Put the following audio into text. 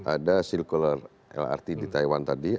ada lrt circular di taiwan tadi